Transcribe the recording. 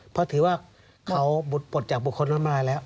เพราะถือว่าเขาบุตรปลดจากบุคคลล้มละลายแล้ว